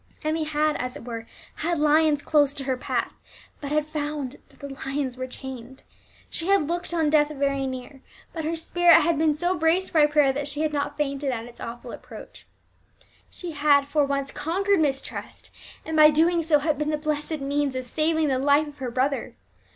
Emmie had, as it were, had lions close to her path, but had found that the lions were chained; she had looked on death very near, but her spirit had been so braced by prayer that she had not fainted at his awful approach. She had, for once, conquered mistrust, and by doing so had been the blessed means of saving the life of her brother.